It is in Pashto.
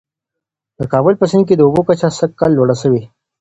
د کابل په سیند کي د اوبو کچه سږ کال لوړه سوې ده.